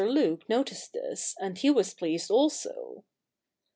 Luke noticed this, and he was pleased also.